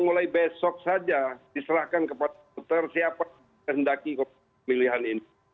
mulai besok saja diserahkan kepada dokter siapa yang hendaki pemilihan ini